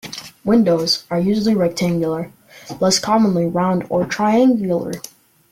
Windows are usually rectangular, less commonly round or triangular.